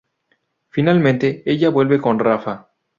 Finalmente Ella vuelve con Rafa.